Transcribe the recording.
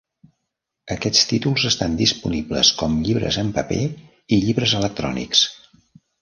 Aquests títols estan disponibles com llibres en paper i llibres electrònics.